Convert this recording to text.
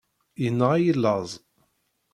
Yenɣa-yi laẓ.